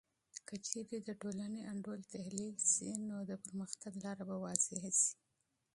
که چیرې د ټولنې انډول تحلیل سي، نو د پرمختګ لاره به واضح سي.